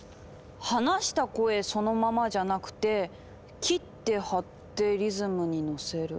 「話した声そのままじゃなくて切って貼ってリズムにのせる」。